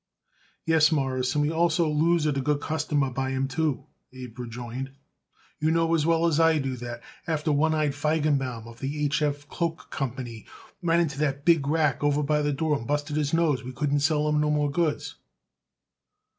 "Yes, Mawruss, and we also lose it a good customer by 'em, too," Abe rejoined. "You know as well as I do that after one eye Feigenbaum, of the H. F. Cloak Company, run into that big rack over by the door and busted his nose we couldn't sell him no more goods."